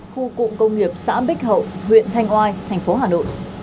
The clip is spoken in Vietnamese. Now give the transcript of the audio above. khu cụm công nghiệp xã bích hậu huyện thanh oai thành phố hà nội